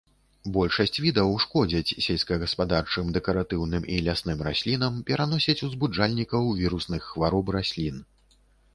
Большасць відаў шкодзяць сельскагаспадарчым, дэкаратыўным і лясным раслінам, пераносяць узбуджальнікаў вірусных хвароб раслін.